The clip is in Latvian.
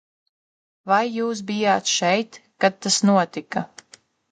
Vai jūs bijāt šeit, kad tas notika?